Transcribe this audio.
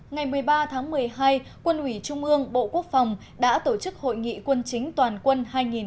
ngày một mươi ba tháng một mươi hai quân ủy trung ương bộ quốc phòng đã tổ chức hội nghị quân chính toàn quân hai nghìn một mươi chín